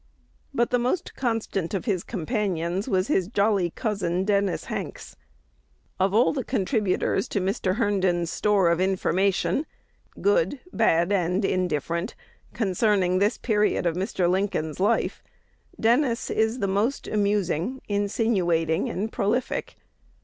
But the most constant of his companions was his jolly cousin, Dennis Hanks. Of all the contributors to Mr. Herndon's store of information, good, bad, and indifferent, concerning this period of Mr. Lincoln's life, Dennis is the most amusing, insinuating, and prolific.